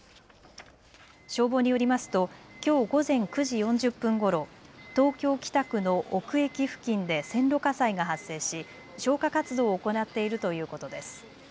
消防によりますときょう午前９時４０分ごろ東京北区の尾久駅付近で線路火災が発生し、消火活動を行っているということです。